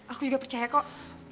aku juga percaya kok